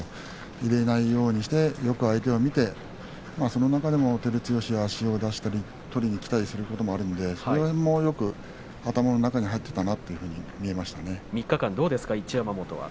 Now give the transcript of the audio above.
入れないようにしてよく相手を見てその中でも照強は足を出したり取りにいったりするのでその辺もよく頭の中に入っていた３日間どうですか一山本は。